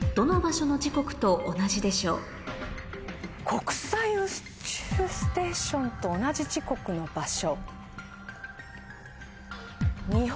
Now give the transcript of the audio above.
国際宇宙ステーションと同じ時刻の場所？